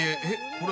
これ。